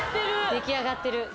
出来上がってる。